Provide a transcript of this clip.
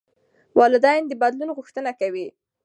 والدین د بدلون غوښتنه کوي.